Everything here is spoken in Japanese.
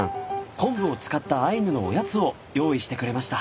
昆布を使ったアイヌのおやつを用意してくれました。